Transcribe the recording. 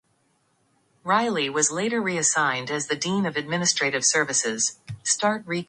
Reiley was later reassigned as the dean of administrative services.